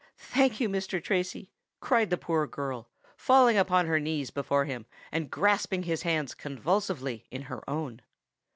"Thank you, Mr. Tracy," cried the poor girl, falling upon her knees before him, and grasping his hands convulsively in her own.